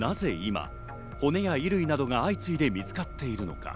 なぜ今、骨や衣類などが相次いで見つかっているのか？